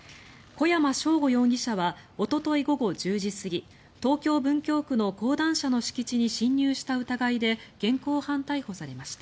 小山尚吾容疑者はおととい午後１０時過ぎ東京・文京区の講談社の敷地に侵入した疑いで現行犯逮捕されました。